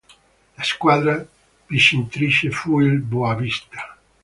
La squadra vincitrice fu il Boavista.